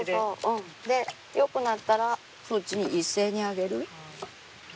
よくなったらそっちに一斉に揚げる。